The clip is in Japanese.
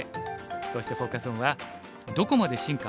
そしてフォーカス・オンは「どこまで進化？